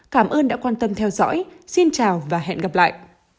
cảm ơn đã quan tâm theo dõi xin chào và hẹn gặp lại